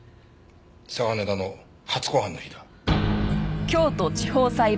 嵯峨根田の初公判の日だ。